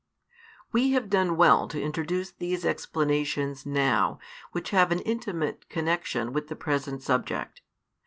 We have done well to introduce these explanations now, which have an intimate connexion with the present subject.